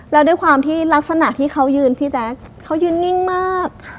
แล้วด้วยความที่ลักษณะที่เขายืนพี่แจ๊คเขายืนนิ่งมาก